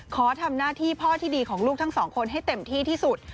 ขอทำหน้าที่พ่อที่ดีของลูกทั้งสองคนให้เต็มที่ที่สุด